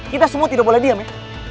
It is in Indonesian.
kita semua tidak boleh diam ya